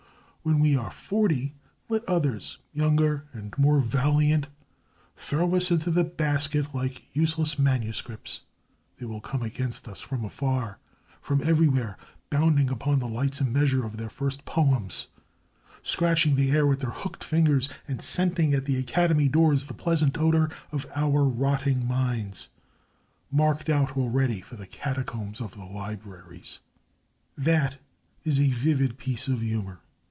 When we are forty, let others, younger and more valiant, throw us into the basket like useless manuscripts!... They will come against us from afar, from everywhere, bounding upon the lightsome measure of their first poems, scratching the air with their hooked fingers, and scenting at the academy doors the pleasant odour of our rotting minds, marked out already for the catacombs of the libraries. That is a vivid piece of humour.